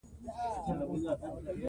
افغانستان د د بولان پټي کوربه دی.